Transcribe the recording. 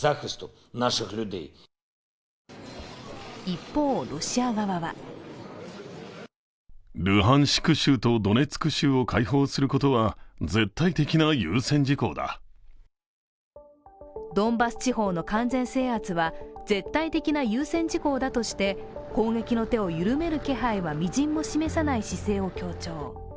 一方、ロシア側はドンバス地方の完全制圧は絶対的な優先事項だとして攻撃の手を緩める気配はみじんも示さない姿勢を強調。